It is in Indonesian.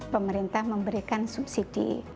pemerintah memberikan subsidi